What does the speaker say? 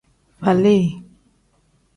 Falii.